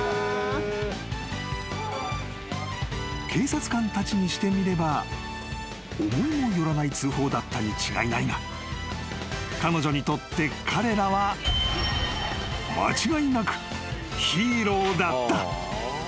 ［警察官たちにしてみれば思いも寄らない通報だったに違いないが彼女にとって彼らは間違いなくヒーローだった］